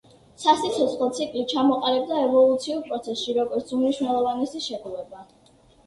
სასიცოცხლო ციკლი ჩამოყალიბდა ევოლუციურ პროცესში როგორც უმნიშვნელოვანესი შეგუება.